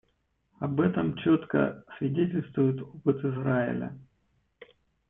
Об этом четко свидетельствует опыт Израиля.